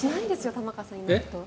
玉川さんいないと。